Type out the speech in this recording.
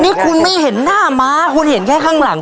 นี่คุณไม่เห็นหน้าม้าคุณเห็นแค่ข้างหลัง